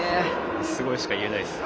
すごいしか言えないっす